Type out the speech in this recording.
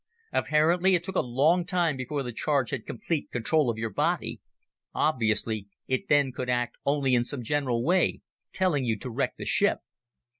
Apparently, it took a long time before the charge had complete control of your body. Obviously, it then could act only in some general way telling you to wreck the ship.